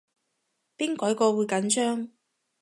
邊鬼個會緊張